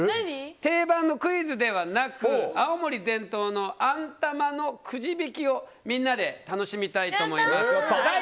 定番のクイズではなく青森伝統のあん玉のくじ引きをみんなで楽しみたいと思います。